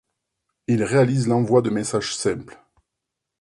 Il réalise l’envoi de messages simples.